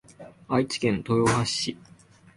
愛知県豊橋市